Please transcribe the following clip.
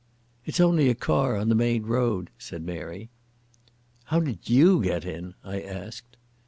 "It's only a car on the main road," said Mary. "How did you get in?" I asked.